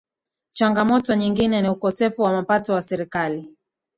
changamoto nyingine ni ukosefu wa mapato ya serikali